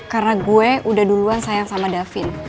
karena gue udah duluan sayang sama daffin